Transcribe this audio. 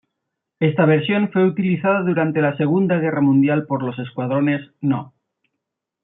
Esta versión fue utilizada durante la Segunda Guerra Mundial por los escuadrones No.